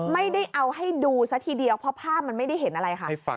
ไม่ได้เอาให้ดูซะทีเดียวเพราะภาพมันไม่ได้เห็นอะไรค่ะ